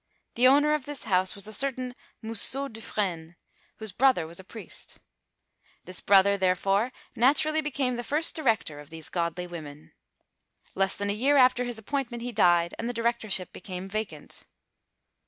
The owner of this house was a certain Moussaut du Frene, whose brother was a priest. This brother, therefore, naturally became the first director of these godly women. Less than a year after his appointment he died, and the directorship became vacant.